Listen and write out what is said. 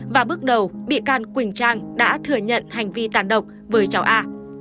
và bước đầu bị can quỳnh trang đã thừa nhận hành vi tàn độc với cháu a